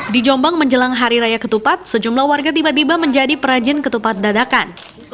di jombang menjelang hari raya ketupat sejumlah warga tiba tiba menjadi perajin ketupat dadakan